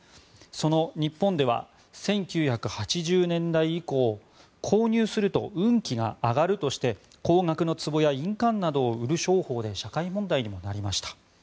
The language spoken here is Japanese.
その日本では１９８０年代以降購入すると運気が上がるとして高額なつぼや印鑑を売る商法で社会問題にもなりました。